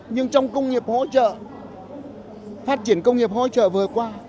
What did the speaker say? nhưng trong công nghiệp hỗ trợ phát triển công nghiệp hỗ trợ vừa qua